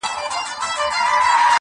دا وزن دروند اُمي مُلا مات کړي,